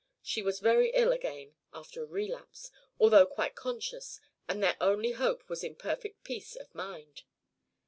She was very ill again after a relapse, although quite conscious, and their only hope was in perfect peace of mind.